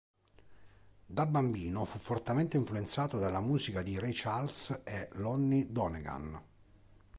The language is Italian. Da bambino fu fortemente influenzato dalla musica di Ray Charles e Lonnie Donegan.